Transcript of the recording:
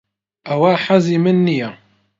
ئەوە حەزی من نییە.